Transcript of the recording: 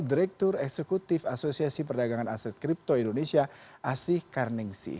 direktur eksekutif asosiasi perdagangan aset kripto indonesia asih karnengsi